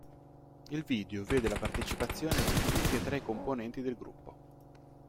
Il video vede la partecipazione di tutti e tre i componenti del gruppo.